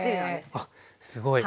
へえあっすごい。